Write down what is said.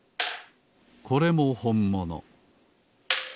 これもほんもの